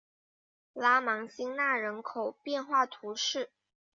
拉芒辛讷人口变化图示